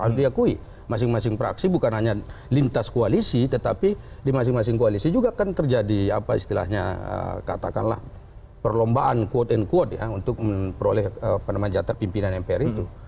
harus diakui masing masing praksi bukan hanya lintas koalisi tetapi di masing masing koalisi juga kan terjadi apa istilahnya katakanlah perlombaan quote and quote ya untuk memperoleh peneman jatah pimpinan mpr itu